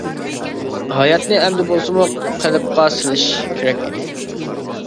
ھاياتنى ئەمدى بولسىمۇ قېلىپقا سېلىش كېرەك ئىدى.